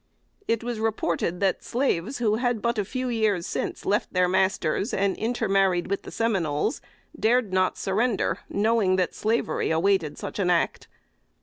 It was reported that slaves who had but a few years since left their masters, and intermarried with the Seminoles, dare not surrender, knowing that slavery awaited such act.